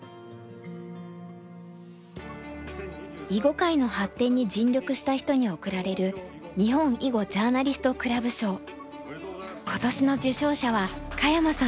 囲碁界の発展に尽力した人に贈られる今年の受賞者は香山さんです。